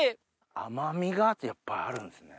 甘みがやっぱあるんですね。